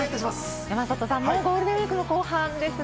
山里さんもゴールデンウイークも後半ですね。